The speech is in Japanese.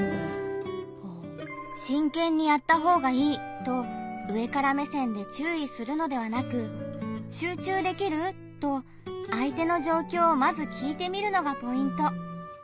と上から目線で注意するのではなく「集中できる？」と相手の状況をまず聞いてみるのがポイント。